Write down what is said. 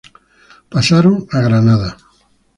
Pasaron a Granada.